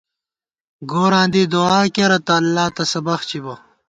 گوراں دی دُعا کېرہ تہ اللہ تسہ بخچبہ